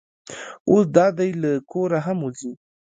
اوس دا دی له کوره هم وځي.